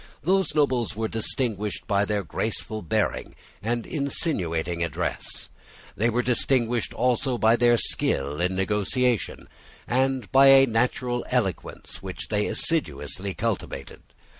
Those nobles were distinguished by their graceful bearing and insinuating address. They were distinguished also by their skill in negotiation, and by a natural eloquence which they assiduously cultivated.